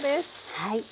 はい。